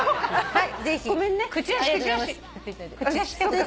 はい。